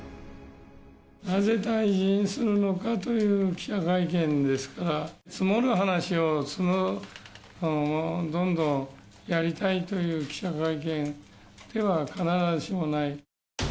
なぜ退陣するのかという記者会見ですから、積もる話をどんどんやりたいという記者会見では必ずしもない。